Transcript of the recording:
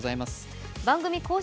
番組公式